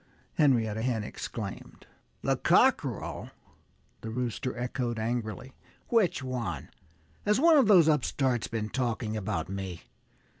Henrietta Hen exclaimed. "The cockerel!" the Rooster echoed angrily. "Which one? Has one of those upstarts been talking about me?